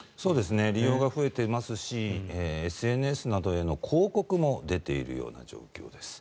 利用が増えてますしＳＮＳなどでの広告も出ているような状況です。